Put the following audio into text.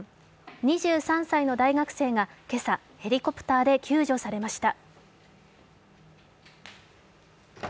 ２３歳の大学生が今朝、ヘリコプターで救助されました。